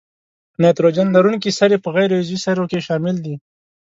نایتروجن لرونکي سرې په غیر عضوي سرو کې شامل دي.